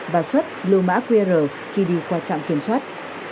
và xuất lưu mã qr khi đi qua trạm kiểm soát